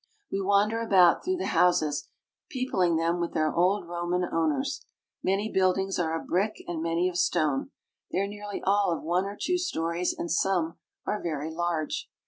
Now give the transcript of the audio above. We wander about through the houses, peopling them with their old Roman owners. Many buildings are of brick and many of stone. They are nearly all of one or two stories and some are very large.